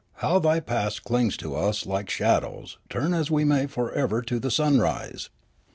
how Th}^ past clings to us like shadows, turn we as we may forever to the sunrise